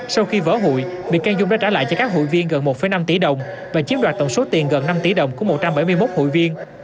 sau khi vỡ hụi bị can dung đã trả lại cho các hụi viên gần một năm tỷ đồng và chiếm đoạt tổng số tiền gần năm tỷ đồng của một trăm bảy mươi một hụi viên